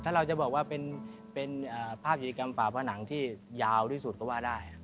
ถ้าเราจะบอกว่าเป็นภาพกิจกรรมฝ่าผนังที่ยาวที่สุดก็ว่าได้